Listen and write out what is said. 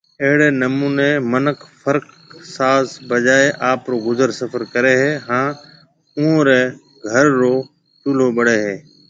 اهڙي نموني منک فرق ساز بجائي آپرو گذر سفر ڪري هي هان اوئون ري گھر رو چولو ٻڙي هي